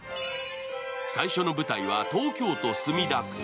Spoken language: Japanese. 最初の舞台は東京都墨田区。